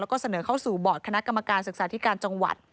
แล้วก็เสนอเข้าสู่บอร์ดคณะกรรมการศึกษาธิการจังหวัด